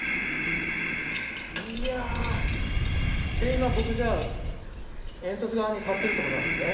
今僕じゃあ煙突側に立ってるってことなんですね。